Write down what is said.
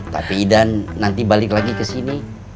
tapi idan nanti balik lagi ke sini